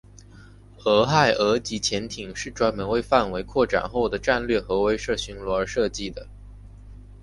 俄亥俄级潜艇是专门为范围扩展后的战略核威慑巡逻而设计的。